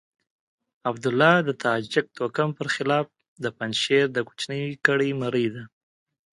عبدالله د تاجک توکم پر خلاف د پنجشير د کوچنۍ کړۍ مرۍ ده.